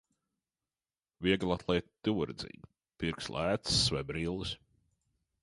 Vieglatlēte tuvredzīga, pirks lēcas vai brilles.